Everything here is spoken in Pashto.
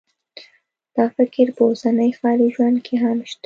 دا فکر په اوسني ښاري ژوند کې هم شته